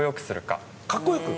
かっこよく？